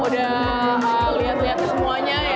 udah liat liat semuanya ya